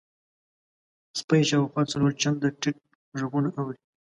سپی شاوخوا څلور چنده ټیټ غږونه اوري.